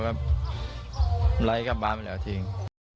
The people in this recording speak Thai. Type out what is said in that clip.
แบบไล่กลับบ้านมาแล้วจริง